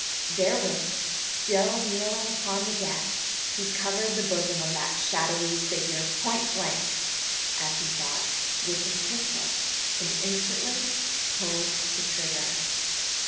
Therewith, still kneeling upon the deck, he covered the bosom of that shadowy figure point blank, as he thought, with his pistol, and instantly pulled the trigger.